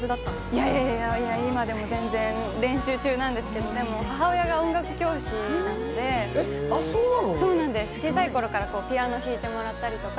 いやいやいやいや、今でも練習中なんですけれども、母親が音楽教師でして、小さい頃からピアノを弾いてもらったりとか。